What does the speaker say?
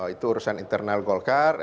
itu urusan internal golkar